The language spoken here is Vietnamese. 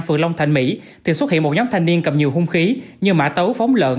phường long thạnh mỹ thì xuất hiện một nhóm thanh niên cầm nhiều hung khí như mã tấu phóng lợn